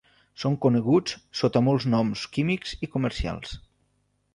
Són coneguts sota molts noms químics i comercials.